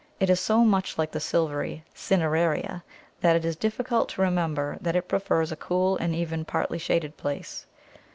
It is so much like the silvery Cineraria that it is difficult to remember that it prefers a cool and even partly shaded place.